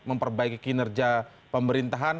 soal memperbaiki kinerja pemerintahan